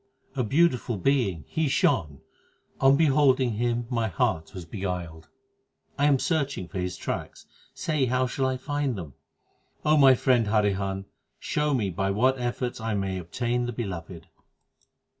A beautiful Being He shone ; on beholding Him my heart was beguiled. I am searching for His tracks : say how shall I find them ? my friend Harihan, show me by what efforts I may obtain the Beloved.